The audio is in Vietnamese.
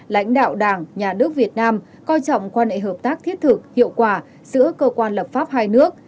lãnh đạo đảng nhà nước việt nam coi trọng quan hệ hợp tác thiết thực hiệu quả giữa cơ quan lập pháp hai nước